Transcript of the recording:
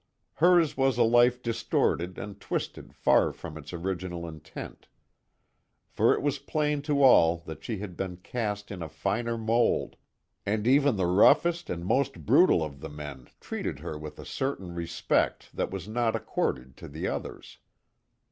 Hers was a life distorted and twisted far from its original intent. For it was plain to all that she had been cast in a finer mould, and even the roughest and most brutal of the men treated her with a certain respect that was not accorded to the others.